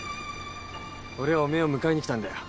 俺はおめえを迎えに来たんだよ。